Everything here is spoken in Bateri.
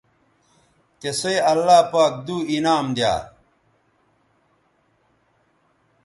تسئ اللہ پاک دو انعام دی یا